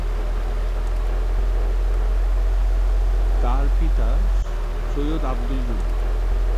তাঁর পিতা সৈয়দ আবদুল জলিল।